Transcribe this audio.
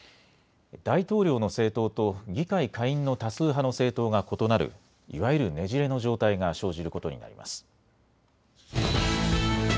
大統領の政党と議会下院の多数派の政党が異なるいわゆるねじれの状態が生じることになります。